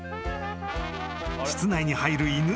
［室内に入る犬。